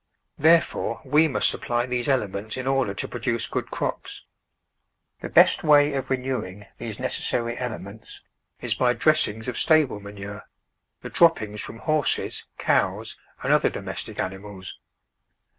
Therefore we must supply these elements in order to produce good crops. The best way of renewing these necessary ele ments is by dressings of stable manure — the drop pings from horses, cows, and other domestic ani mals.